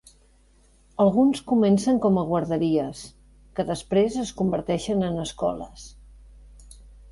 Alguns comencen com a guarderies, que després es converteixen en escoles.